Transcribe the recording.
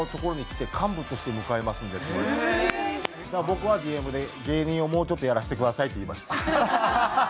僕はＤＭで「芸人をもうちょっとやらせてください」って言いました。